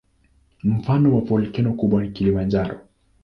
Mfano wa volkeno kubwa ni Kilimanjaro.